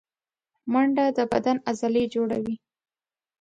منډه د بدن عضلې جوړوي